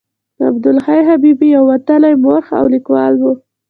عبدالحي حبیبي یو وتلی مورخ او لیکوال و.